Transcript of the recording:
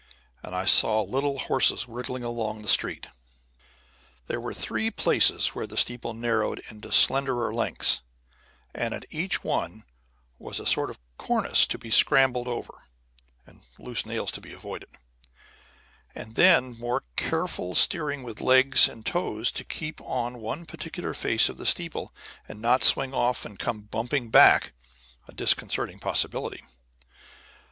And I saw little horses wriggling along on the street. [Illustration: HOW THE STEEPLE CLIMBER GOES UP A FLAGPOLE.] There were three places where the steeple narrowed into slenderer lengths, and at each one was a sort of cornice to be scrambled over (and loose nails to be avoided), and then more careful steering with legs and toes to keep on one particular face of the steeple and not swing off and come bumping back, a disconcerting possibility.